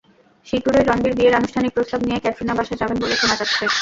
শিগগিরই রণবীর বিয়ের আনুষ্ঠানিক প্রস্তাব নিয়ে ক্যাটরিনার বাসায় যাবেন বলে শোনা যাচ্ছে।